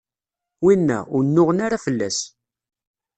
winna, ur nnuɣen ara fell-as.